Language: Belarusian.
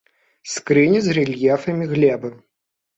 Скрыні з рэльефамі глебы.